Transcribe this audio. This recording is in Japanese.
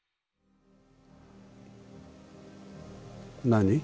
何？